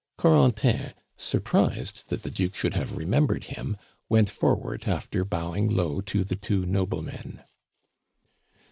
Corentin, surprised that the Duke should have remembered him, went forward after bowing low to the two noblemen.